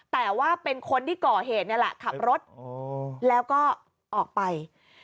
แต่ว่าเป็นคนที่ก่อเหตุนี่แหละขับรถแล้วก็ออกไป